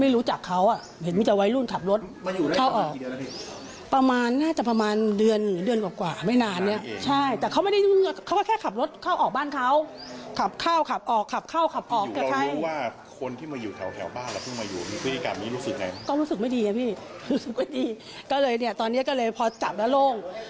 รู้สึกว่าดีก็เลยเนี่ยตอนนี้ก็เลยพอจับแล้วโล่ง